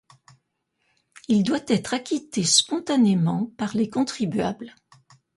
Il doit être acquitté spontanément par les contribuables.